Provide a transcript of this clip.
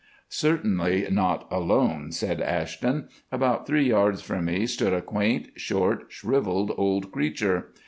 "Certainly not alone," said Ashton. "About three yards from me stood a quaint, short, shrivelled, old creature.